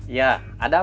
iya ada apa